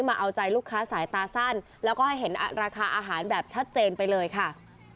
มาเอาใจลูกค้าสายตาสั้นแล้วก็ให้เห็นราคาอาหารแบบชัดเจนไปเลยค่ะ